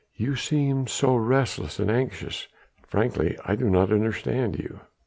You seem so restless and anxious.... Frankly I do not understand you."